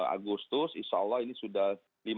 agustus insya allah ini sudah